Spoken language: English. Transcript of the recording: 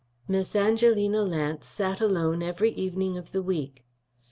Miss Angelina Lance sat alone every evening of the week.